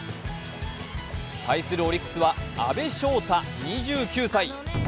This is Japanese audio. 対するオリックスは阿部翔太２９歳。